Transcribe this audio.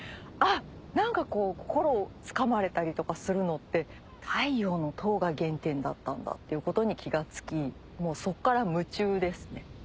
何かこう心をつかまれたりとかするのって太陽の塔が原点だったんだっていうことに気が付きそこから夢中ですね。